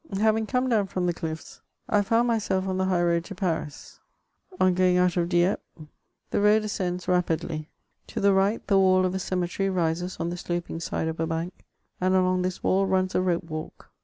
Having come down from the cliffs, I found myself on tn^ high road to Paris ; on going out of Dieppe the road ascends CHATEAUBRIAND. 447 rapidly. To the right, the wall of a cemetery rises on the sloping side of a bank ; and along this wall runs a rope walk.